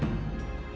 dia juga menangis